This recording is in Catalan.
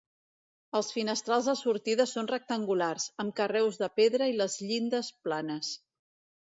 Els finestrals de sortida són rectangulars, amb carreus de pedra i les llindes planes.